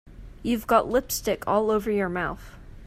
You've got lipstick all over your mouth.